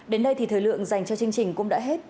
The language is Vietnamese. đến đây thì thời lượng dành cho chương trình cũng đã hết